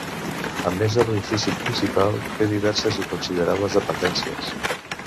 A més de l'edifici principal, té diverses i considerables dependències.